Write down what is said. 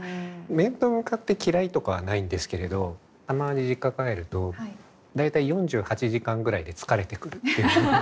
面と向かって嫌いとかはないんですけれどたまに実家帰ると大体４８時間ぐらいで疲れてくるっていう。